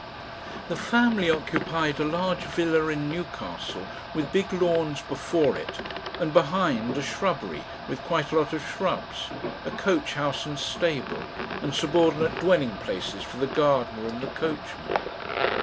The family occupied a large villa in Newcastle, with big lawns before it and behind, a shrubbery with quite a lot of shrubs, a coach house and stable, and subordinate dwelling places for the gardener and the coachman.